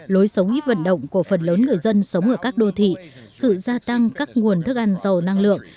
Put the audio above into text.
lối sống ít vận động của phần lớn người dân sống ở các đô thị sự gia tăng các nguồn thức ăn giàu năng lượng